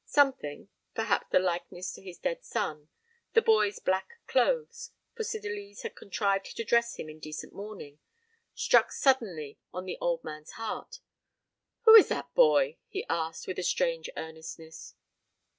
Something perhaps the likeness to his dead son the boy's black clothes, for Cydalise had contrived to dress him in decent mourning struck suddenly on the old man's heart. "Who is that boy?" he asked, with a strange earnestness.